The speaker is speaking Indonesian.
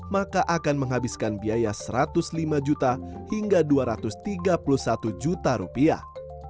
maka akan menghabiskan biaya satu ratus lima juta hingga dua ratus tiga puluh satu juta rupiah